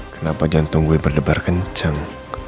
kenapa jantung gue berdebar kencang